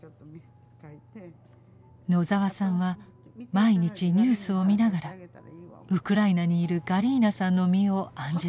野澤さんは毎日ニュースを見ながらウクライナにいるガリーナさんの身を案じていました。